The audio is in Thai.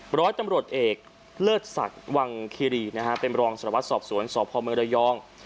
บร้อยตำรวจเอกเลิศสัตว์วังคีรีเป็นรองสวรรษสอบศูนย์สอบภอมรยอง